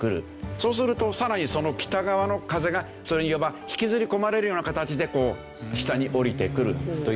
そうするとさらにその北側の風がそれにいわば引きずり込まれるような形でこう下に下りてくるという。